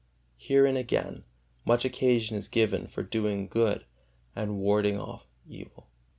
Herein again much occasion is given for doing good and warding off evil.